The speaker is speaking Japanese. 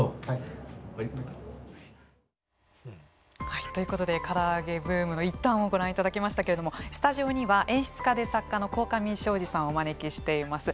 はいということでから揚げブームの一端をご覧いただきましたけれどもスタジオには演出家で作家の鴻上尚史さんをお招きしています。